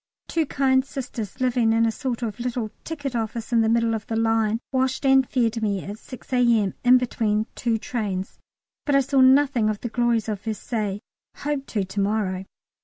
Two kind sisters, living in a sort of little ticket office in the middle of the line, washed and fed me at 6 A.M. in between two trains, but I saw nothing of the glories of Versailles hope to to morrow.